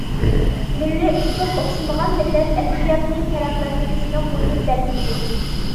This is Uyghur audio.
مىللىي ئۇسلۇب ئوخشىمىغان مىللەت ئەدەبىياتىنى پەرقلەندۈرۈشنىڭ مۇھىم بەلگىسى.